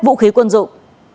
vũ khí quân dụng